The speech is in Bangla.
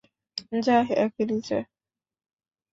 যাহ্, এখনই যা!